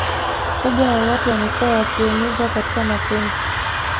kubwa ya watu wamekua wakiumizwa katika mapenzi